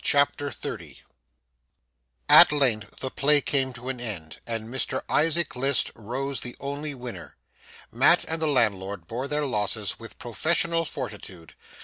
CHAPTER 30 At length the play came to an end, and Mr Isaac List rose the only winner. Mat and the landlord bore their losses with professional fortitude.